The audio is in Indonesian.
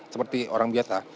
seperti orang biasa